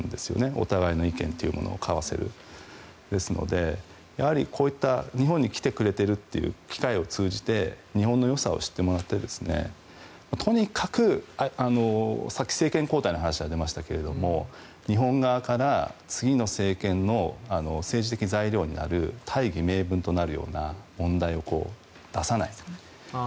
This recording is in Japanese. お互いの意見というものを交わせる。ですので、こういった日本に来てくれてるという機会を通じて日本のよさを知ってもらってとにかく、さっき政権交代の話が出ましたが日本側から次の政権の政治的材料になる大義名分となるような問題を出さない。